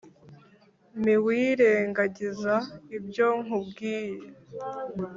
miwirengagize ibyo nkubwiye